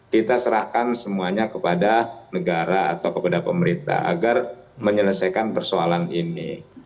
kita serahkan semuanya kepada negara atau kepada pemerintah agar menyelesaikan persoalan ini